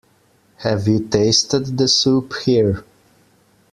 Have you tasted the soup here?